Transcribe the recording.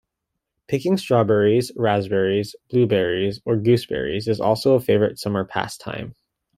Picking strawberries, raspberries, blueberries, or gooseberries is also a favourite summer pastime.